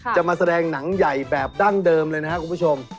จะมาแสดงหนังใหญ่แบบดั้งเดิมเลยนะครับคุณผู้ชม